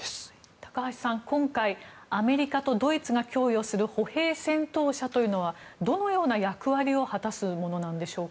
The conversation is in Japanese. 高橋さん、今回アメリカとドイツが供与する歩兵戦闘車というのはどのような役割を果たすものなんでしょうか。